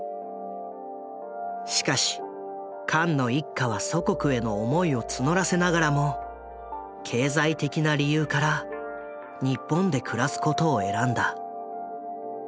しかしカンの一家は祖国への思いを募らせながらも経済的な理由から日本で暮らすことを選んだ。